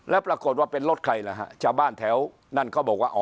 แล้วปรากฏว่าเป็นรถใครล่ะฮะชาวบ้านแถวนั้นเขาบอกว่าอ๋อ